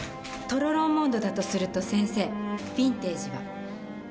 「トロロン・モンド」だとすると先生ヴィンテージは？